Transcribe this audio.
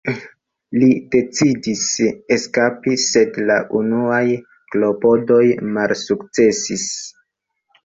Li decidis eskapi sed la unuaj klopodoj malsukcesis.